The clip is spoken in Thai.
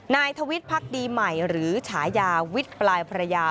นายทวิทย์พักดีใหม่หรือฉายาวิทย์ปลายพระยา